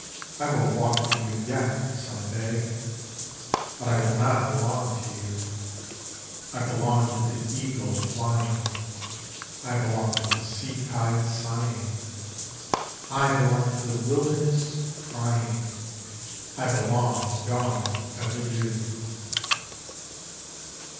I will walk with you yet, some day, But I will not belong to you.I belong to the eagle, flying;I belong to the sea tide, sighing;I belong to the wilderness, crying;I belong to dawn and the dew!